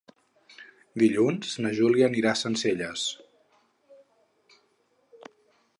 Dilluns na Júlia anirà a Sencelles.